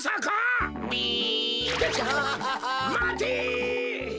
まて！